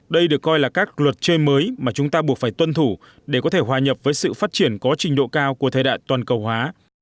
đây được coi là các luật chơi mới mà chúng ta buộc phải tuân thủ để có thể hòa nhập với sự phát triển có trình độ cao của thời đại toàn cầu hóa